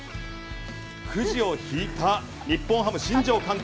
くじを引いた日本ハム新庄監督